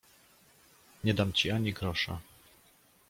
"Nie dam ci ani grosza."